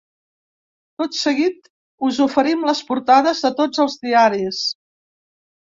Tot seguit us oferim les portades de tots els diaris.